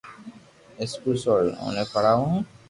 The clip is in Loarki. اسڪول سوڙين اوني پڙاوُ ھون